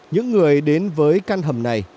những người đến với căn hầm này